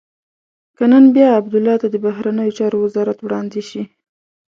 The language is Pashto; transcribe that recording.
که نن بیا عبدالله ته د بهرنیو چارو وزارت وړاندې شي.